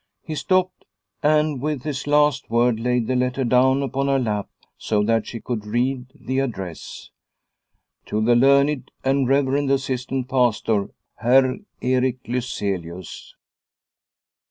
He stopped and with his last word laid the letter down upon her lap, so that she could read the address : "To the Learned and Reverend Assistant Pastor, Heir Erik Lyselius."